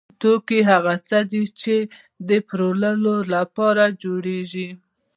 توکي هغه څه دي چې د پلورلو لپاره جوړیږي.